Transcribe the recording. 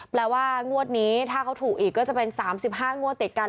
แปลว่างวดนี้ถ้าเขาถูกอีกก็จะเป็น๓๕งวดติดกัน